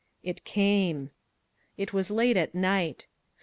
It came. It was late at night.